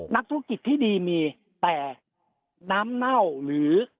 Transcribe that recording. นักธุรกิจที่ดีมีแต่น้ำเน่าหรือ